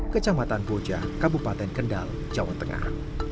kecamatan boja kabupaten kendal jawa tengah